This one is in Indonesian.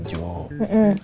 tadi udah kacang hijau